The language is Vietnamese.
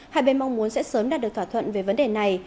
hai bên mong muốn sẽ sớm đạt được thỏa thuận về vấn đề này